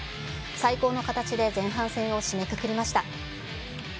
最高の形で前半戦を締めくくりました。